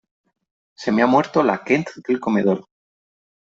Se me ha muerto la Kent del comedor.